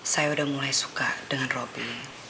saya udah mulai suka dengan roti